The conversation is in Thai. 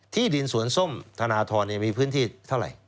ที่ดินสวนส้มธนทรมีพื้นที่เท่าไหร่